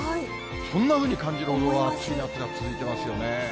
そんなふうに感じるほどの暑い夏が続いてますよね。